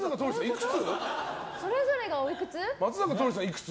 それぞれがおいくつ？